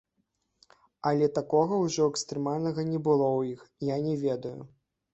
Але такога ўжо экстрэмальнага не было ў іх, я не ведаю.